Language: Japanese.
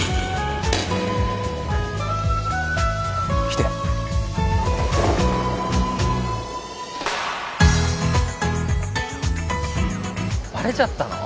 きてバレちゃったの？